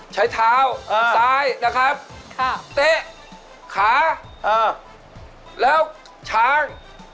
ใช้เท้าซ้ายนะครับเตะขาแล้วช้าง